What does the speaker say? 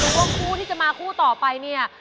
เพราะว่าคู่ที่จะมาคู่ต่อไปเนี่ย